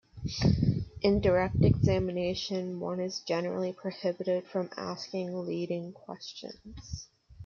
In direct examination, one is generally prohibited from asking leading questions.